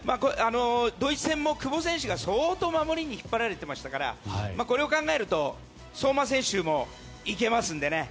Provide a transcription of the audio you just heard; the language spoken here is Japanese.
ドイツ戦も久保選手が相当守りに引っ張られてましたからこれを考えると相馬選手もいけますのでね。